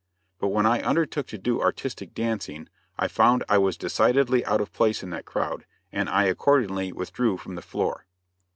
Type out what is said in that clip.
But when I undertook to do artistic dancing, I found I was decidedly out of place in that crowd, and I accordingly withdrew from the floor.